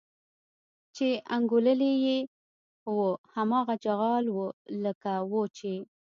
چې انګوللي یې وو هماغه چغال و لکه وو چې.